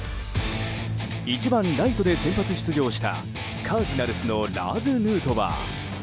１番ライトで先発出場したカージナルスのラーズ・ヌートバー。